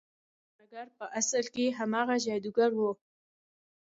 هغه سوداګر په اصل کې هماغه جادوګر و.